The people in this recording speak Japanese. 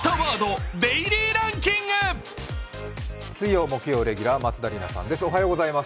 水曜・木曜レギュラー、松田里奈さんです。